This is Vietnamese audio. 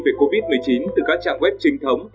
về covid một mươi chín từ các trang web trinh thống